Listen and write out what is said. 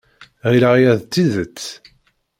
Ɣileɣ aya d tidet.